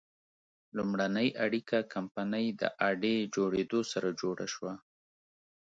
لومړنۍ اړیکه کمپنۍ د اډې جوړېدو سره جوړه شوه.